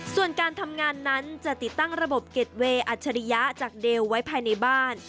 ส่วนการทำงานนั้นจะติดตั้งระบบเก็ตเวย์อัจฉริยะจากเดลไว้ภายในบ้าน